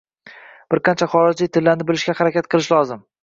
Bir qancha xorijiy tillarni bilishga harakat qilish lozim